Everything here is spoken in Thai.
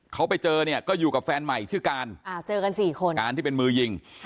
เขาไปเจอเนี่ยก็อยู่กับแฟนใหม่ชื่อการเจอกันสี่คนการที่เป็นมือยิง